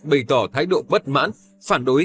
bày tỏ thái độ bất mãn phản đối